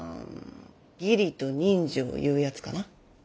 義理と人情いうやつかな。